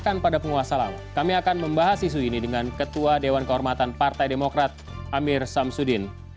kami akan membahas isu ini dengan ketua dewan kehormatan partai demokrat amir samsudin